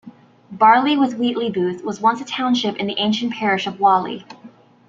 Barley-with-Wheatley Booth was once a township in the ancient parish of Whalley.